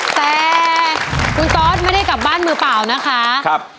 แต่คุณตอสไม่ได้กลับบ้านมือเปล่านะคะ